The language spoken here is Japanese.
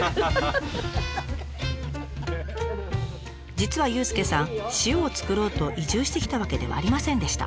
実は佑介さん塩を作ろうと移住してきたわけではありませんでした。